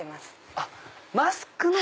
あっマスクの！